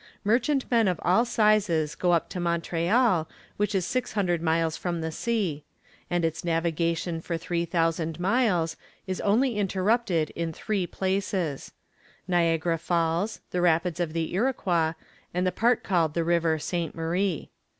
Merchantmen of all sizes go up to Montreal, which is six hundred miles from the sea; and its navigation for three thousand miles is only interrupted in three places,—Niagara Falls, the rapids of the Iroquois, and the part called the river St. Marie.